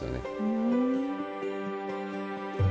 ふん。